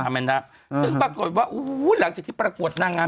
แมนดาซึ่งปรากฏว่าหลังจากที่ประกวดนางงาม